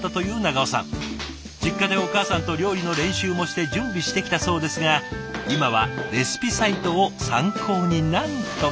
実家でお母さんと料理の練習もして準備してきたそうですが今はレシピサイトを参考になんとか。